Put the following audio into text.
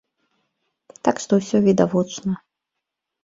Так што ўсё відавочна.